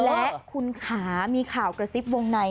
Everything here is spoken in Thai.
และคุณขามีข่าวกระซิบวงใน